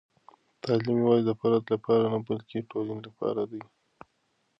تعلیم یوازې د فرد لپاره نه، بلکې د ټولنې لپاره دی.